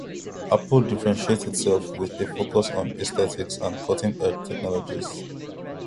Apple differentiates itself with a focus on aesthetics and cutting-edge technologies.